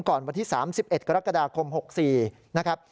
วันที่๓๑กรกฎาคม๖๔นะครับ